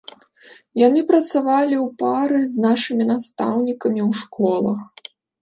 Яны працавалі ў пары з нашымі настаўнікамі ў школах.